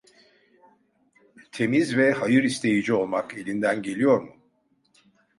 Temiz ve hayır isteyici olmak elinden geliyor mu?